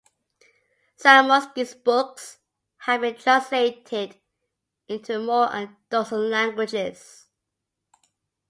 Zamoyski's books have been translated into more than a dozen languages.